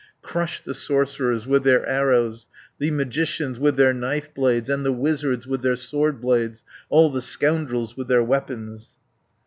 Crush the sorcerers, with their arrows, The magicians, with their knife blades, And the wizards with their sword blades, All the scoundrels with their weapons."